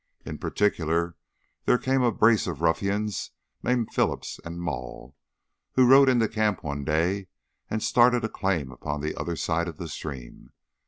In particular, there came a brace of ruffians named Phillips and Maule, who rode into camp one day, and started a claim upon the other side of the stream.